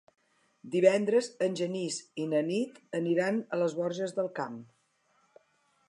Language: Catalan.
Divendres en Genís i na Nit aniran a les Borges del Camp.